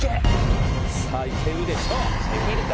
さぁいけるでしょう。